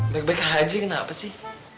baik baik haji kenapa sih